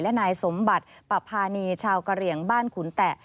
และนายสมบัติปะพานีชาวกะเหลี่ยงบ้านขุนแตะ